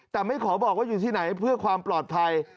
แต่ไม่ขอบอกว่าอยู่ที่ไหนเพื่อความปลอดภัย